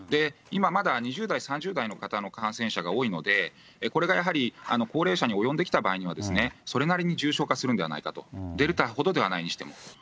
今まだ２０代、３０代の方の感染者が多いので、これがやはり、高齢者に及んできた場合には、それなりに重症化するんではないかと、デルタほどではないにしても。